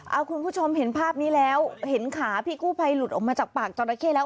เอาคุณผู้ชมเห็นภาพนี้แล้วเห็นขาพี่กู้ภัยหลุดออกมาจากปากจราเข้แล้ว